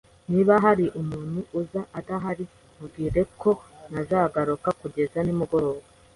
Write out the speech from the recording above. Niba hari umuntu uza adahari, mubwire ko ntazagaruka kugeza nimugoroba.